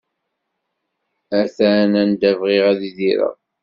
Atan anda bɣiɣ ad idireɣ!